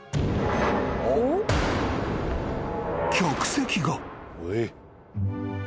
［客席が］